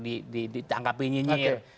di bali juga dianggapi nyinyir